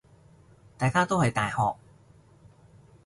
大家都係大學